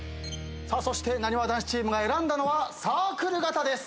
そしてなにわ男子チームが選んだのはサークル型です。